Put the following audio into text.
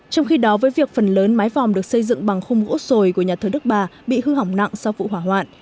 trong khi đó với việc phần lớn mái vòm được xây dựng bằng khung gỗ sồi của nhà thờ đức bà bị hư hỏng nặng sau vụ hỏa hoạn